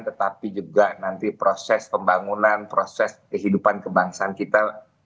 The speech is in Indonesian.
tetapi juga nanti proses pembangunan proses kehidupan kebangsaan kita